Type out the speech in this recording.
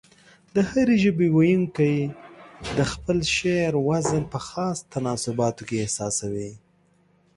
د هرې ژبې ويونکي د خپل شعر وزن په خاصو تناسباتو کې احساسوي.